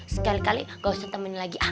sekali kali gak usah temenin lagi